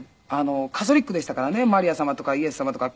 カトリックでしたからねマリア様とかイエス様とか。